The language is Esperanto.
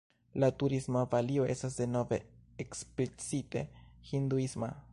La turisma Balio estas denove eksplicite hinduisma.